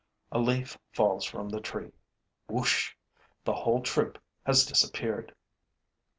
A leaf falls from the tree. Whoosh! The whole troop has disappeared.